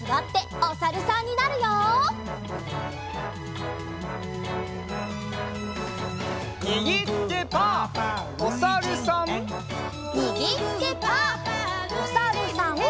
おさるさん。